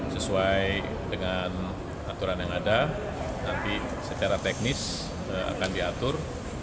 sesuai dengan aturan yang ada nanti secara teknis akan diatur